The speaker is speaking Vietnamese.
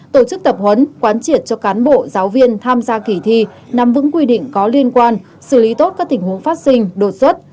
tổ chức tập huấn quán triệt cho cán bộ giáo viên tham gia kỳ thi nắm vững quy định có liên quan xử lý tốt các tình huống phát sinh đột xuất